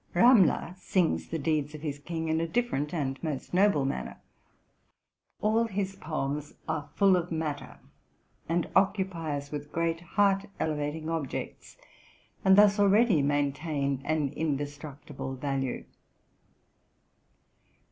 Ramler sings the deeds of his king in a different and most noble manner. All his poems are full of matter, and occupy us with great, heart elevating objects, and thus already main tain an indestructible value.